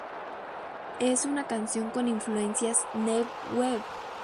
Es una canción con influencias New wave.